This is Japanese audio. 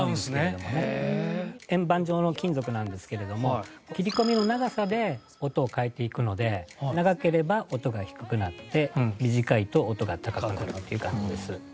円盤状の金属なんですけれども切り込みの長さで音を変えていくので長ければ音が低くなって短いと音が高くなるという感じです。